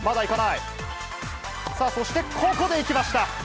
さあ、そしてここでいきました。